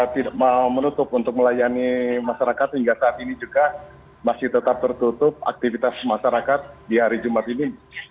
tidak mau menutup untuk melayani masyarakat hingga saat ini juga masih tetap tertutup aktivitas masyarakat di hari jumat ini